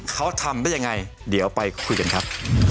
เขาทำได้ยังไงเดี๋ยวไปคุยกันครับ